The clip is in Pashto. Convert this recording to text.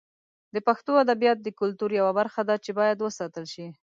د پښتو ادبیات د کلتور یوه برخه ده چې باید وساتل شي.